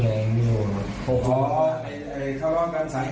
อ๋อขอร้องกันสาเหตุว่าแฟนจะรอกใจ